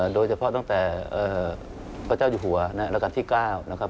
โดยเฉพาะตั้งแต่พระเจ้าอยู่หัวราชการที่๙นะครับ